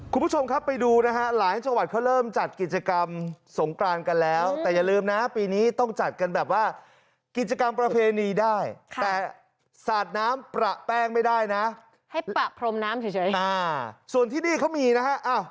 คุณผู้ชมครับไปดูนะคะหลายจังหวัดเขาเริ่มจัดกิจกรรมสงกราญกันแล้ว